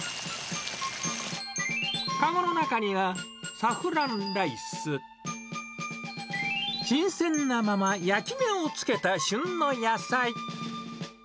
かごの中には、サフランライス、新鮮なまま焼き目をつけた旬の野菜。